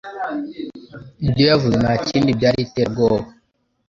Ibyo yavuze ntakindi byari iterabwoba.